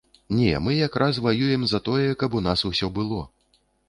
Не, мы якраз ваюем за тое, каб у нас усё было.